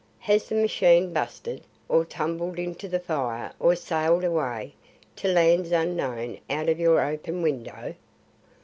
Has the machine busted, or tumbled into the fire or sailed away to lands unknown out of your open window?"